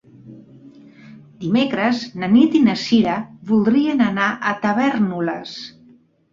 Dimecres na Nit i na Cira voldrien anar a Tavèrnoles.